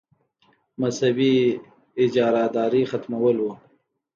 مذهبي اجاراداري ختمول وو.